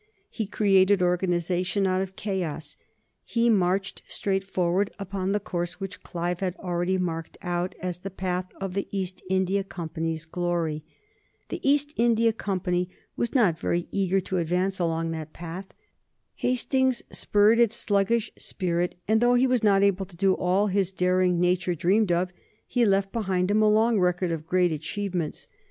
He created organization out of chaos; he marched straightforward upon the course which Clive had already marked out as the path of the East India Company's glory. The East India Company was not very eager to advance along that path. Hastings spurred its sluggish spirit, and, though he was not able to do all that his daring nature dreamed of, he left behind him a long record of great achievements.